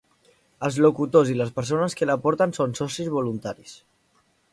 Els locutors i les persones que la porten són socis voluntaris.